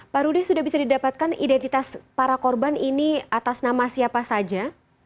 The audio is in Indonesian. pak rudy sudah bisa didapatkan identitas para korban ini atas nama siapa saja